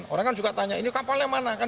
orang kan juga tanya ini kapalnya mana kan